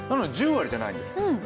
１０割じゃないんです。